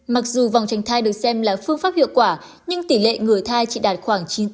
mặc dù vòng tránh thai được xem là phương pháp hiệu quả nhưng tỷ lệ người thai chỉ đạt khoảng chín mươi tám chín mươi chín